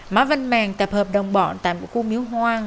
má văn màng tập hợp đông bọn tại một khu miếu hoang